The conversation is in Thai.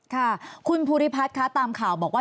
ค่ะคุณภูริพัฒน์คะตามข่าวบอกว่า